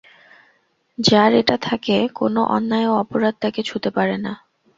যার এটা থাকে, কোনো অন্যায় ও অপরাধ তাঁকে ছুঁতে পারে না।